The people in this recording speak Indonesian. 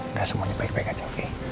udah semuanya baik baik aja oke